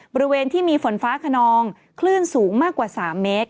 บริเวณที่มีฝนฟ้าขนองคลื่นสูงมากกว่า๓เมตร